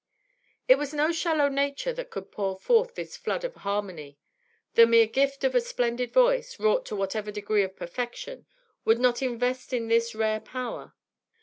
It was no shallow nature that could pour forth this flood of harmony. The mere gift of a splendid voice, wrought to whatever degree of perfection, would not invest with this rare power.